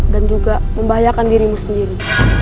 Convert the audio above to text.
dan juga membahayakan dirimu sendiri